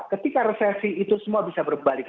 ketika resesi itu semua bisa berbalik